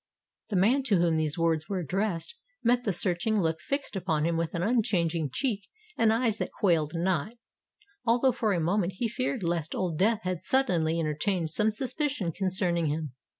The man to whom these words were addressed, met the searching look fixed upon him with an unchanging cheek and eyes that quailed not; although for a moment he feared lest Old Death had suddenly entertained some suspicion concerning him.